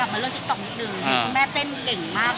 มีคุณแม่เต้นเก่งมาก